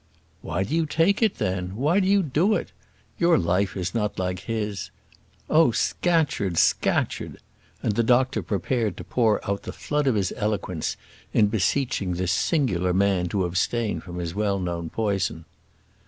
"Why do you take it then? Why do you do it? Your life is not like his. Oh, Scatcherd! Scatcherd!" and the doctor prepared to pour out the flood of his eloquence in beseeching this singular man to abstain from his well known poison.